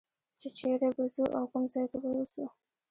چې چېرې به ځو او کوم ځای کې به اوسو.